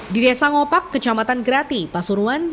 di desa ngopak kecamatan grati pasuruan